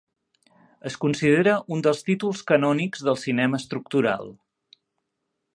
Es considera un dels títols canònics del cinema estructural.